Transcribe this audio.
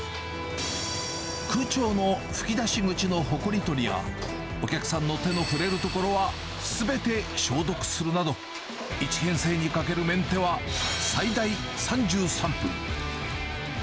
空調の吹き出し口のほこり取りや、お客さんの手の触れる所はすべて消毒するなど、１編成にかけるメンテは、最大３３分。